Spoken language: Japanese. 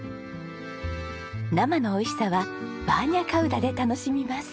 生のおいしさはバーニャカウダで楽しみます。